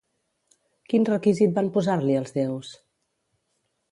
Quin requisit van posar-li els déus?